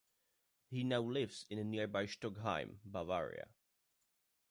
He now lives in nearby Stockheim, Bavaria.